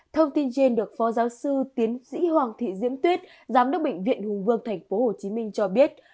thông tin trên được phó giáo sư tiến sĩ hoàng thị diễm tuyết giám đốc bệnh viện hùng vương tp hcm cho biết